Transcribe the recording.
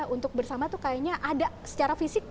untuk bersama tuh kayaknya ada secara fisik